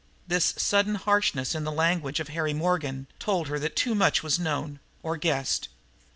This sudden harshness in the language of Harry Morgan told her that too much was known, or guessed.